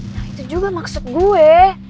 nah itu juga maksud gue